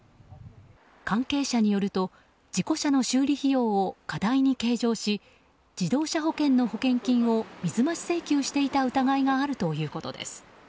関係者によると事故車の修理費用を過大に計上し自動車保険の保険金を水増し請求していた疑いがあるということです。